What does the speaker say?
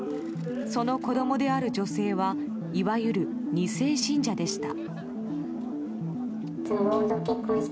その子供である女性はいわゆる２世信者でした。